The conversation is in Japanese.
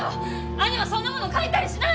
兄はそんなもの書いたりしない！